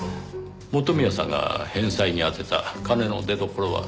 元宮さんが返済に充てた金の出どころは？